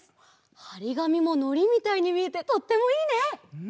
はりがみものりみたいにみえてとってもいいね！